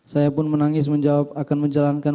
saya pun menangis menjawab akan menjalankan